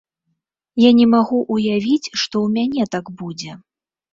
А не магу ўявіць, што ў мяне так будзе.